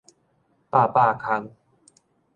百百空